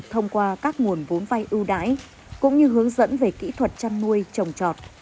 thông qua các nguồn vốn vay ưu đãi cũng như hướng dẫn về kỹ thuật chăn nuôi trồng trọt